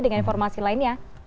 dengan informasi lainnya